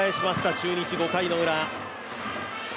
中日５回のウラ。